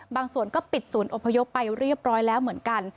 บางส่วนก็ปิดศูนย์อพยพไปเรียบร้อยแล้วเหมือนกัน